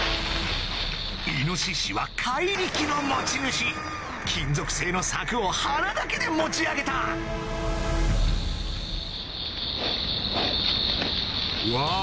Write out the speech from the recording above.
イノシシは怪力の持ち主金属製の柵を鼻だけで持ち上げたうわ